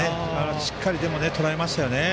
しっかりとらえましたね。